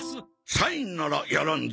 サインならやらんぞ。